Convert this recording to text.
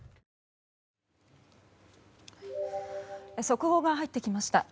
速報が入ってきました。